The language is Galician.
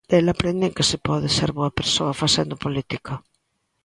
Del aprendín que se pode ser boa persoa facendo política.